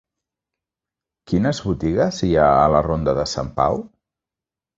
Quines botigues hi ha a la ronda de Sant Pau?